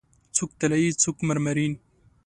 څوک طلایې، څوک مرمرین